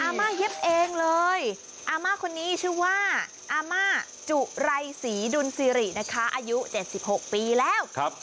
มาเย็บเองเลยอาม่าคนนี้ชื่อว่าอาม่าจุไรศรีดุลสิรินะคะอายุ๗๖ปีแล้ว